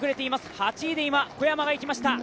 ８位で今小山がいきました。